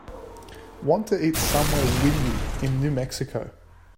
want to eat somewhere windy in New Mexico